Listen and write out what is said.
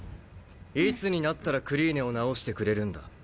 いつになったらクリーネを治してくれるんだ。